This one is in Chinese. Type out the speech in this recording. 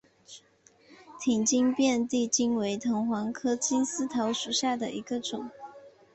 挺茎遍地金为藤黄科金丝桃属下的一个种。